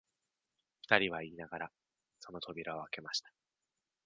二人は言いながら、その扉をあけました